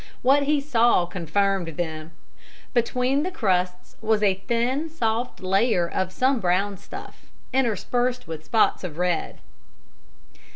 What he saw confirmed them; between the crusts was a thin, soft layer of some brown stuff, interspersed with spots of red.